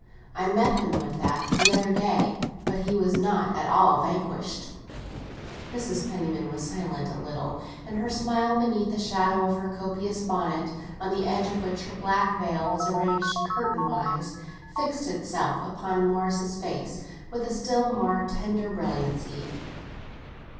I met him with that the other day, but he was not at all vanquished." Mrs. Penniman was silent a little, and her smile beneath the shadow of her capacious bonnet, on the edge of which her black veil was arranged curtain wise, fixed itself upon Morris's face with a still more tender brilliancy.